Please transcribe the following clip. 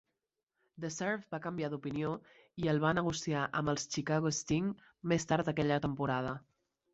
The Surf va canviar d'opinió i el va negociar amb els Chicago Sting més tard aquella temporada.